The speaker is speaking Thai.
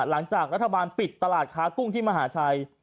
หลังจากรัฐบาลปิดตลาดค้ากุ้งที่มหาชัย